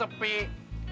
kamu tuh you